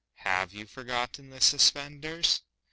(Have you forgotten the suspenders?)